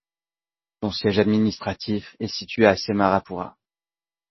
Son siège administratif est situé à Semarapura.